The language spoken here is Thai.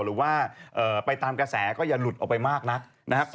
หรือว่าไปตามกระแสก็อย่าหลุดออกไปมากนักนะครับ